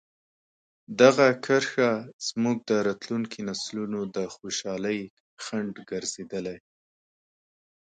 دغه کرښه زموږ د راتلونکي نسلونو د خوشحالۍ خنډ ګرځېدلې.